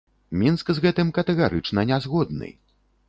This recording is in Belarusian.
Мінск з гэтым катэгарычна не згодны.